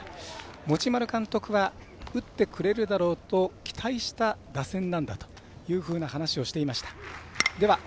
持丸監督は打ってくれるだろうと期待した打線なんだというふうな話をしていました。